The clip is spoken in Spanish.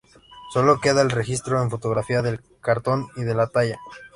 Solo queda el registro en fotografía del cartón y de la Talla.